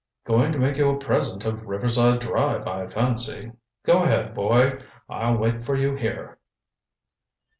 "Going to make you a present of Riverside Drive, I fancy. Go ahead, boy. I'll wait for you here."